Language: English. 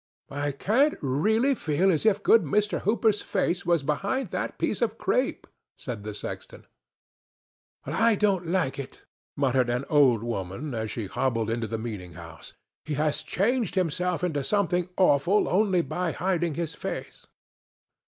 "I can't really feel as if good Mr. Hooper's face was behind that piece of crape," said the sexton. "I don't like it," muttered an old woman as she hobbled into the meeting house. "He has changed himself into something awful only by hiding his face."